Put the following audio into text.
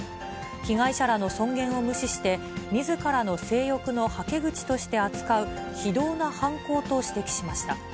被害者らの尊厳を無視して、みずからの性欲のはけ口として扱う非道な犯行と指摘しました。